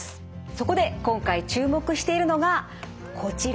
そこで今回注目しているのがこちら。